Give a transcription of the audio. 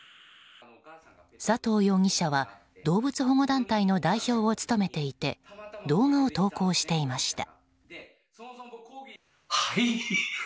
佐藤容疑者は動物保護団体の代表を務めていて動画を投稿していました。